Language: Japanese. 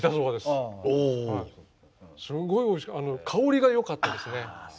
すごいおいしくて香りがよかったですね。